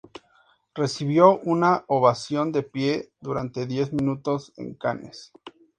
Recibió una ovación de pie durante diez minutos en Cannes.